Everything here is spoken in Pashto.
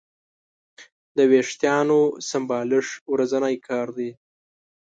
د وېښتیانو سمبالښت ورځنی کار دی.